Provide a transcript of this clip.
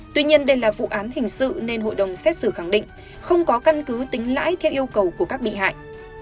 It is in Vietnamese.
tuy nhiên đây là vụ án hình sự nên hội đồng xét xử khẳng định không có căn cứ tính lãi theo yêu cầu của các bị hại